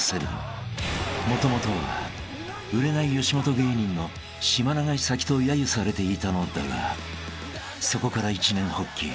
［もともとは売れない吉本芸人の島流し先とやゆされていたのだがそこから一念発起］